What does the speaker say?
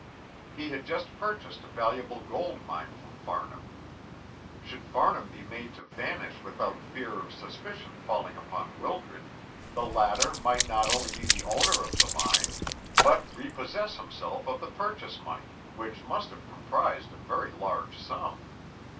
He had just purchased a valuable gold mine from Farnham. Should Farnham be made to vanish without fear of suspicion falling upon Wildred, the latter might not only be the owner of the mine, but repossess himself of the purchase money, which must have comprised a very large sum.